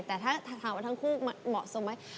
แต่ถ้าถามว่าทั้งคู่เหมาะสมไหม